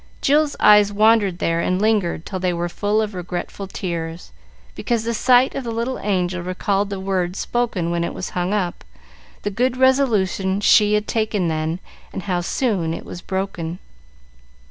Jill's eyes wandered there and lingered till they were full of regretful tears, because the sight of the little angel recalled the words spoken when it was hung up, the good resolution she had taken then, and how soon it was broken.